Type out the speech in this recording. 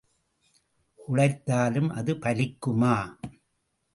உழைத்தாலும் அது பலிக்குமா?